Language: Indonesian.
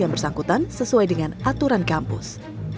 yang bersangkutan sesuai dengan aturan kampus